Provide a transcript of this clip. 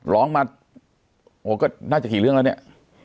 ร้องมาโอ้ก็น่าจะกี่เรื่องแล้วเนี่ย